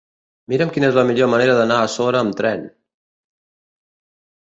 Mira'm quina és la millor manera d'anar a Sora amb tren.